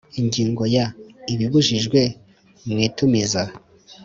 Ingingo ya ibibujijwe mu itumiza